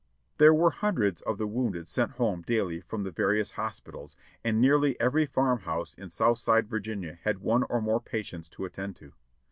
There were hundreds of the wounded sent home daily from the various hospitals, and nearly every farm house in southside Virginia had one or more patients to attend to.